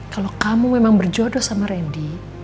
kalau kamu memang berjodoh sama randy